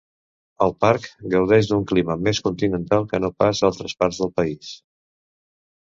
El parc gaudeix d'un clima més continental que no pas altres parts del país.